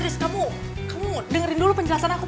this kamu kamu dengerin dulu penjelasan aku